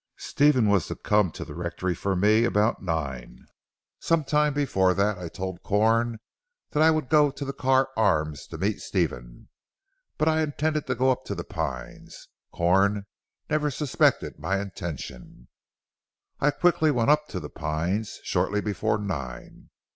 "Stephen was to come to the rectory for me about nine. Some time before that I told Corn that I would go to the Carr Arms to meet Stephen, but I intended to go to 'The Pines;' Corn never suspected my intention. I went quickly up to 'The Pines' shortly before nine.